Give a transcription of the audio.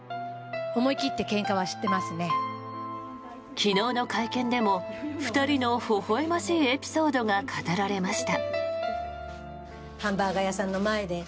昨日の会見でも２人のほほ笑ましいエピソードが語られました。